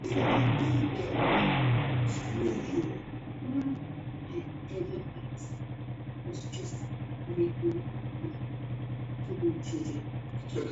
Naw'adilwa kiw'achenyi.